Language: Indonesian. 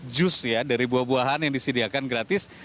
jus ya dari buah buahan yang disediakan gratis